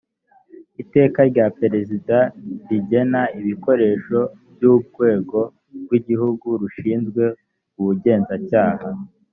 iteka rya perezida rigena ibikoresho by urwego rw igihugu rushinzwe ubugenzacyaha